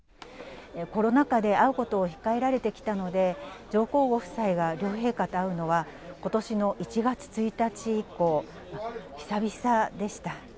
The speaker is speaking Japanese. コロナ禍で会うことを控えられてきたので、上皇ご夫妻が両陛下と会うのは、ことしの１月１日以降、久々でした。